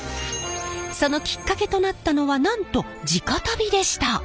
そのきっかけとなったのはなんと地下足袋でした。